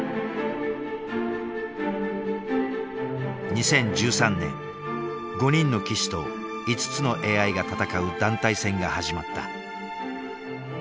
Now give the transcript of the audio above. ２０１３年５人の棋士と５つのＡＩが戦う団体戦が始まった。